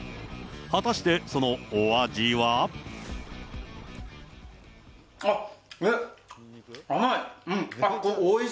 果たして、そのお味は？あっ、えっ、甘い！